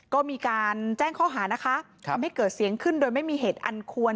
ก็มีการแจ้งข้อหานะคะทำให้เกิดเสียงขึ้นโดยไม่มีเหตุอันควร